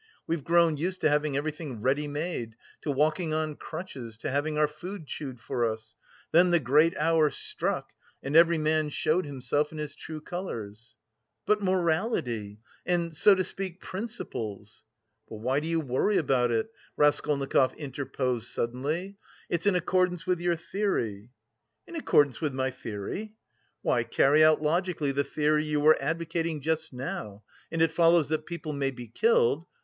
We've grown used to having everything ready made, to walking on crutches, to having our food chewed for us. Then the great hour struck,[*] and every man showed himself in his true colours." [*] The emancipation of the serfs in 1861 is meant. TRANSLATOR'S NOTE. "But morality? And so to speak, principles..." "But why do you worry about it?" Raskolnikov interposed suddenly. "It's in accordance with your theory!" "In accordance with my theory?" "Why, carry out logically the theory you were advocating just now, and it follows that people may be killed..."